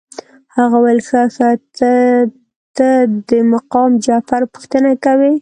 هغه ویل ښه ښه ته د مقام جعفر پوښتنه کوې.